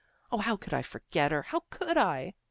O, how could I forget her? How could I?